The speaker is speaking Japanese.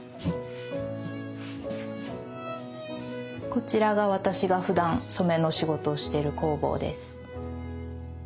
こちらが私がふだん染めの仕事をしてる工房です。